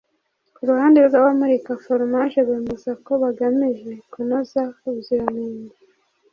Ku ruhande rw’abamurika foromaje bemeza ko bagamije kunoza ubuziranenge